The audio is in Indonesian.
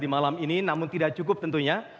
di malam ini namun tidak cukup tentunya